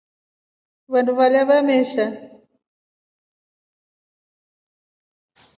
Vandu vale vamesha.